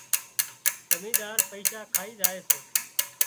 زمينۮار پئيشا کائي زائي سي